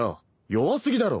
弱すぎだろ。